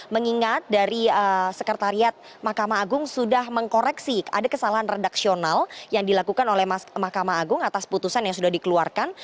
mengingat dari sekretariat mahkamah agung sudah mengkoreksi ada kesalahan redaksional yang dilakukan oleh mahkamah agung atas putusan yang sudah dikeluarkan